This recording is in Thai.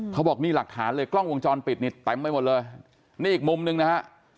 เขาบอกนี่หลักฐานเลยกล้องวงจรปิดนี่เต็มไปหมดเลยนี่อีกมุมหนึ่งนะฮะ